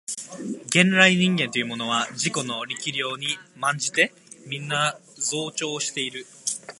元来人間というものは自己の力量に慢じてみんな増長している